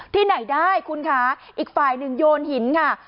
ที่ไหนได้คุณคะอีกฝ่ายหนึ่งโยนหินค่ะ